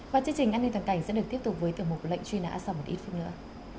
và chương trình an ninh toàn cảnh sẽ được tiếp tục với tiểu mục lệnh truy nã sau một ít phút nữa